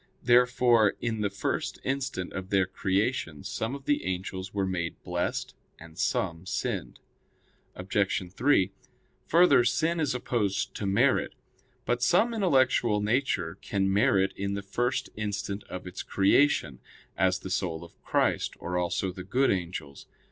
Therefore in the first instant of their creation some of the angels were made blessed, and some sinned. Obj. 3: Further, sin is opposed to merit. But some intellectual nature can merit in the first instant of its creation; as the soul of Christ, or also the good angels.